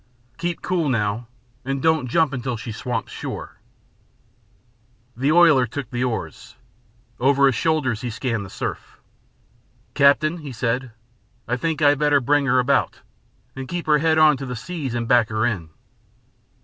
Keep cool now, and don't jump until she swamps sure." The oiler took the oars. Over his shoulders he scanned the surf. "Captain," he said, "I think I'd better bring her about, and keep her head on to the seas and back her in."